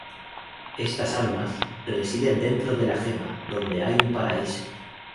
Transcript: Estas almas, residen dentro de la gema, donde hay un paraíso.